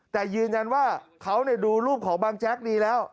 แต่ยืนยันว่าเขาดูรูปของบางแจ๊กดีแล้ว